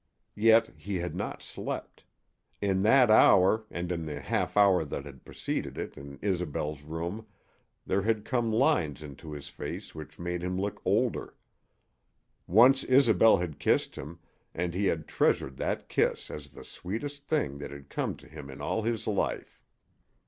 Yet he had not slept. In that hour, and in the half hour that had preceded it in Isobel's room, there had come lines into his face which made him look older. Once Isobel had kissed him, and he had treasured that kiss as the sweetest thing that had come to him in all his life.